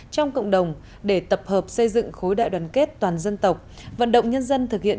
trong cộng đồng để tập hợp xây dựng khối đại đoàn kết toàn dân tộc vận động nhân dân thực hiện